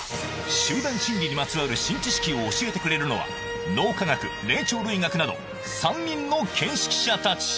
集団心理にまつわる新知識を教えてくれるのは脳科学霊長類学など３人の見識者たち